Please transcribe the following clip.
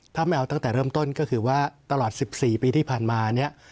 ถ้าไม่เอาตั้งแต่เริ่มต้นก็คือว่าตลอด๑๔ปีที่ผ่านมาเนี่ย